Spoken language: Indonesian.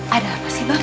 ada apa sih bang